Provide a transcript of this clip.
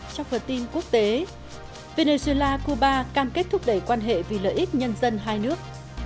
trong phần tin quốc tế venezuela cuba cam kết thúc đẩy quan hệ vì lợi ích nhân dân hai nước